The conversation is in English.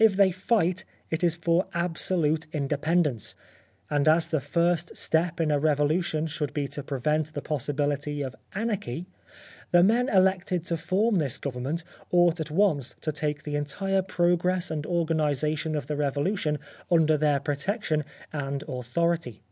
If they fight it is for absolute independence ; and as the first step in a revolution should be to prevent the possibility of anarchy, the men elected to form this government ought at once to take the entire progress and organisation of the revolution under their protection and authority.